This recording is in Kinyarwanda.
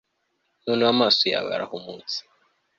noneho amaso yawe arahumutse